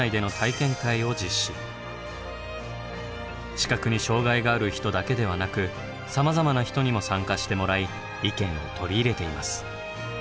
視覚に障害がある人だけではなくさまざまな人にも参加してもらい意見を取り入れています。